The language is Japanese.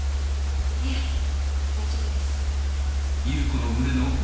ええ。大丈夫です